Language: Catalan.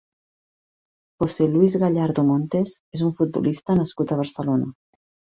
José Luis Gallardo Montes és un futbolista nascut a Barcelona.